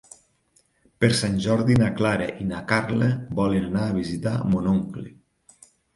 Per Sant Jordi na Clara i na Carla volen anar a visitar mon oncle.